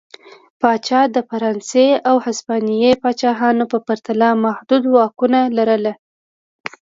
پاچا د فرانسې او هسپانیې پاچاهانو په پرتله محدود واکونه لرل.